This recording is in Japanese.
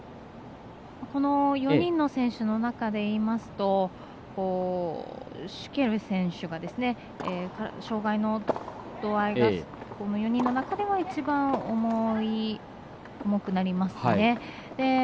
この４人の選手の中で言いますとシュケル選手が障がいの度合いがこの４人の中では一番重くなりますね。